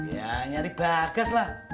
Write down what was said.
ya nyari bagas lah